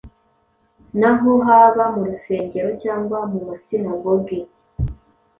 naho haba mu rusengero cyangwa mu masinagogi